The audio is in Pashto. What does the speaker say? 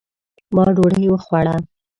ما ډوډۍ وخوړه